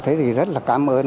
thế thì rất là cảm ơn